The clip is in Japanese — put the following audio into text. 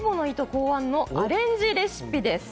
考案のアレンジレシピです。